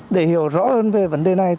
để hiểu rõ hơn về vấn đề này